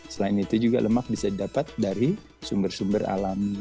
selain itu juga lemak bisa didapat dari sumber sumber alami